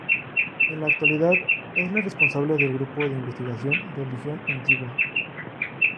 En la actualidad es la responsable del Grupo de Investigación: "Religio Antiqua.